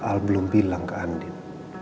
al belum bilang ke andin